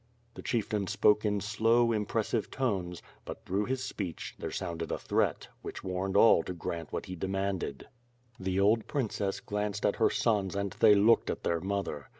The chieftain spoke in slow, impressive tones, but, through his speech, there sounded a threat, which warned all to grant what he demanded : The old princess glanced at her sons and they looked at their mother.